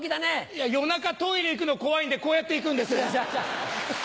いや夜中トイレ行くの怖いんでこうやって行くんです。